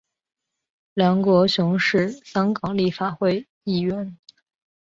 梁国雄是香港立法会议员。